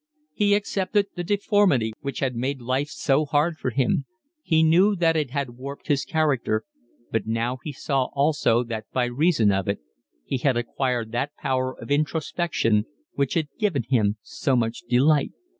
He accepted the deformity which had made life so hard for him; he knew that it had warped his character, but now he saw also that by reason of it he had acquired that power of introspection which had given him so much delight.